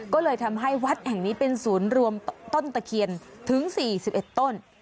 ก็เลยทำให้วัดแห่งนี้เป็นศูนย์รวมต้นตะเคียนถึง๔๑ต้น